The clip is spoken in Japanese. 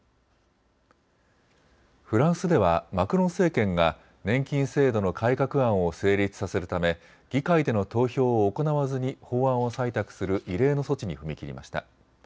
フランスではマクロン政権が年金制度の改革案を成立させるため議会での投票を行わずに法案を採択する異例の措置に踏み切りました。